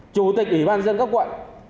chủ tịch ủy ban nhân các quận